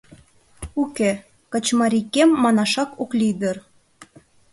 Уке, качымарий кем манашак ок лий дыр.